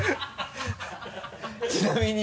ちなみに？